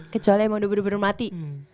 kecuali emang udah bener bener mati